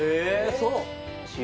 そう